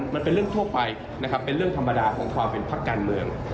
มันเป็นเรื่องทั่วไปนะครับเป็นเรื่องธรรมดาของความเป็นพักการเมือง